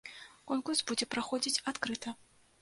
Конкурс будзе праходзіць адкрыта.